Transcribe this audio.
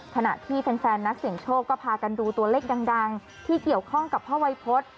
ขณะที่แฟนนักเสี่ยงโชคก็พากันดูตัวเลขดังที่เกี่ยวข้องกับพ่อวัยพฤษ